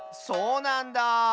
そうなんだ！